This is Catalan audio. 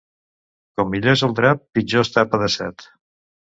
Com millor és el drap, pitjor està apedaçat.